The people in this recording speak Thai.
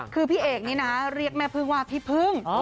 คือพี่เอกนี่นะเรียกแม่พึ่งว่าพี่พึ่ง